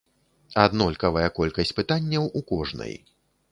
Аднолькавая колькасць пытанняў у кожнай.